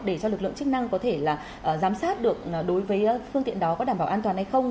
để cho lực lượng chức năng có thể giám sát được đối với phương tiện đó có đảm bảo an toàn hay không